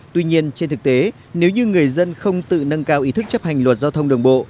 tuy nhiên trên thực tế nếu như người dân không tự nâng cao ý thức chấp hành luật giao thông đường bộ